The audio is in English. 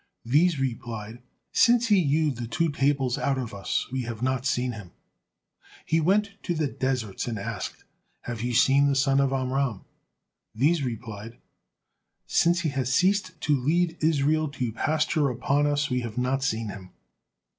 These replied, "Since he hewed the two tables out of us, we have not seen him." He went to the deserts and asked, "Have ye seen the son of Amram?" These replied, "Since he has ceased to lead Israel to pasture upon us, we have not seen him."